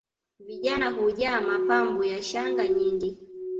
Vijana hujaa mapambo ya shanga nyingi